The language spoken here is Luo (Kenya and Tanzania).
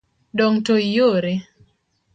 Dong' to iore.